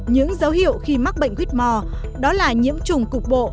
những dấu hiệu khi mắc bệnh whitmore đó là nhiễm trùng cục bộ